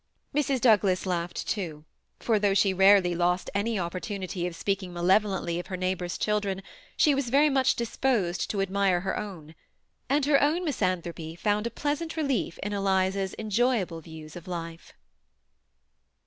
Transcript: Mrs. Douglas laughed too, for though she rarely lost any (^portunity of speaking malevolently of her neigh bors' children, she was veiy much disposed to admire her own. And her own misanthropy found a pleasant relief in Eliza's enjoyable views of life.